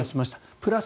プラス